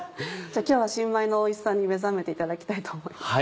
じゃあ今日は新米のおいしさに目覚めていただきたいと思います。